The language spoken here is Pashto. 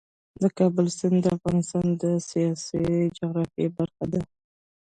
د کابل سیند د افغانستان د سیاسي جغرافیه برخه ده.